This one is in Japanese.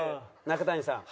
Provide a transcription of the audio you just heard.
中谷さん。